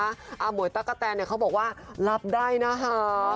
อาหมวยตั๊กกะแตนเนี่ยเขาบอกว่ารับได้นะคะ